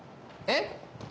えっ？